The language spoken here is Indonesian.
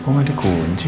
aku nggak dikunci